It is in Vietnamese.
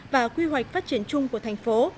và quy hoạch phát triển chung của thành phố